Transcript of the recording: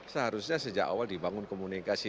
seharusnya sejak awal dibangun komunikasi